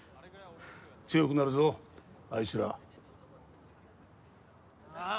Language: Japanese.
強くなるぞあいつらああ